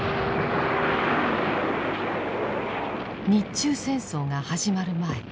日中戦争が始まる前